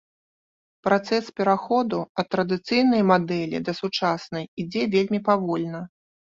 Працэс пераходу ад традыцыйнай мадэлі да сучаснай ідзе вельмі павольна.